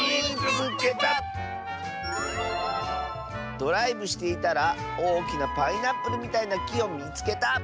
「ドライブしていたらおおきなパイナップルみたいなきをみつけた！」。